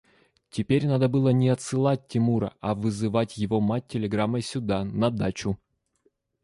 Теперь надо было не отсылать Тимура, а вызывать его мать телеграммой сюда, на дачу.